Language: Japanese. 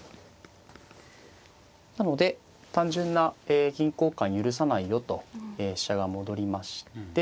なので単純な銀交換許さないよと飛車が戻りまして。